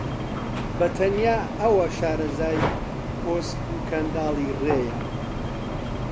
بە تەنیا ئەوە شارەزای کۆسپ و کەنداڵی ڕێیە